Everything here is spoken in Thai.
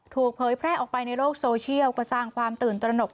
เผยแพร่ออกไปในโลกโซเชียลก็สร้างความตื่นตระหนก